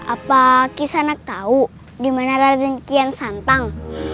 apa kisanak tau dimana raden kiyosantang